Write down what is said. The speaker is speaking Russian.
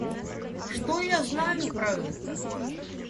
Что я знаю про это?